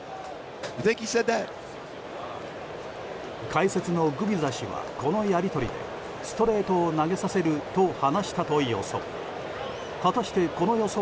解説のグビザ氏はこのやり取りにストレートを投げさせると話したと予想。